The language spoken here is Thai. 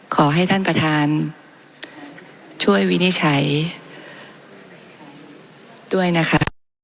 ขอให้ท่านประธานช่วยวินิจฉัยด้วยนะคะ